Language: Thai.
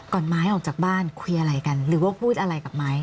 ไม้ออกจากบ้านคุยอะไรกันหรือว่าพูดอะไรกับไม้